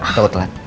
atau ke telat